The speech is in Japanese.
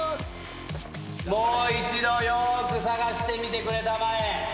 もう一度よーく捜してみてくれたまえ。